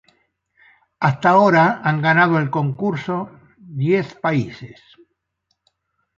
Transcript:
Hasta ahora han ganado el concurso diez países.